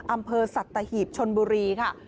อำเภอสัตหีบชนบุรีค่ะ